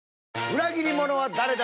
裏切り者は誰だ？